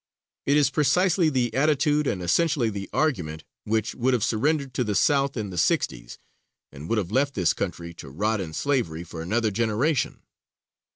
It is precisely the attitude and essentially the argument which would have surrendered to the South in the sixties, and would have left this country to rot in slavery for another generation.